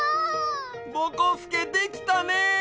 ぼこすけできたね！